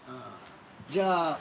じゃあ。